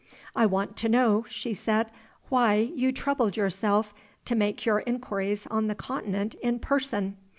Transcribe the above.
"I want to know," she said, "why you troubled yourself to make your inquiries on the Continent _in person?